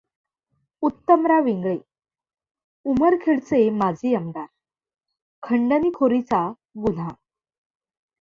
उत्तमराव इंगळे उमरखेडचे माजी आमदार खंडणीखोरीचा गुन्हा